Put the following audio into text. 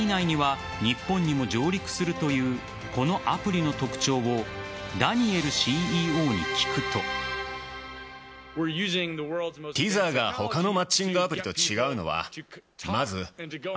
１年以内には日本にも上陸するというこのアプリの特徴をダニエルＣＥＯに聞くと。と、聞いてもよく分からないので。